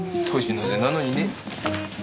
年の瀬なのにね。